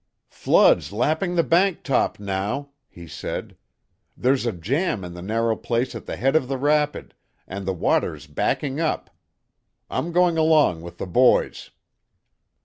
"Flood's lapping the bank top now," he said. "There's a jamb in the narrow place at the head of the rapid, and the water's backing up. I'm going along with the boys."